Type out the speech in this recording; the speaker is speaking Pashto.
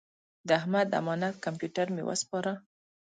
د احمد امانت کمپیوټر مې وسپاره.